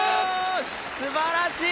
すばらしい！